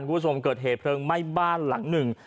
คุณผู้ชมเกิดเหตุเพลิงไหม้บ้านหลังหนึ่ง